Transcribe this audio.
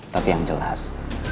tapi yang jelas